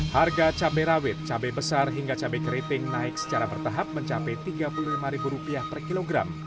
harga cabai rawit cabai besar hingga cabai keriting naik secara bertahap mencapai rp tiga puluh lima per kilogram